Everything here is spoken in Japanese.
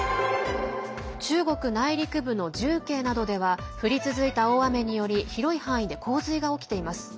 中国内陸部の重慶などでは降り続いた大雨により広い範囲で洪水が起きています。